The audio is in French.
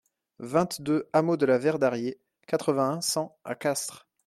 vingt-deux hameau de la Verdarié, quatre-vingt-un, cent à Castres